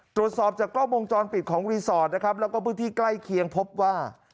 ตรวจสอบจากกล้องวงจรปิดของรีสอร์ทนะครับแล้วก็พื้นที่ใกล้เคียงพบว่า